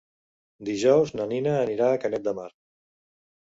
Dijous na Nina anirà a Canet de Mar.